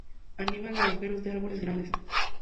Anida en agujeros de árboles grandes.